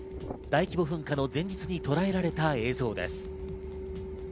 大規模噴火の前日にとらえられた映像です。